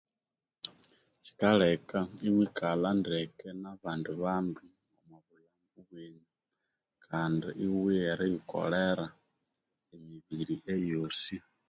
Kikaleka iwikalha ndeke nabandi bandu omwabulhambu bwenyu kandi iwigha eriyikolera emibiri eyoosi